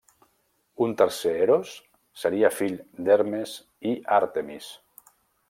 Un tercer Eros seria fill d'Hermes i Àrtemis.